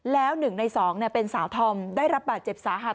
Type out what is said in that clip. แล้วหนึ่งในสองเป็นสาธอมได้รับบาดเจ็บสาหัส